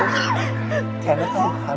wendy anda sampai